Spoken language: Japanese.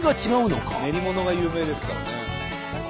練り物が有名ですからね。